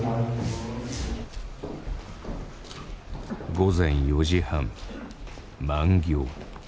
午前４時半満行。